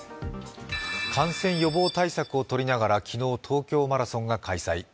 感染予防対策をとりながら昨日、東京マラソンが開催。